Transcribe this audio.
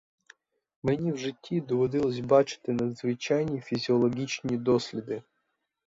Мені в житті доводилось бачити надзвичайні фізіологічні досліди.